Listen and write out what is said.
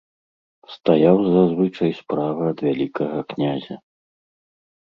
Стаяў зазвычай справа ад вялікага князя.